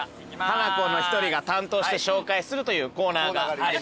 ハナコの１人が担当して紹介するというコーナーがあります。